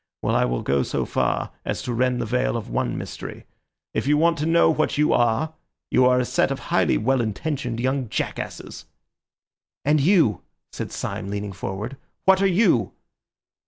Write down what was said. Well, I will go so far as to rend the veil of one mystery. If you want to know what you are, you are a set of highly well intentioned young jackasses." "And you," said Syme, leaning forward, "what are you?"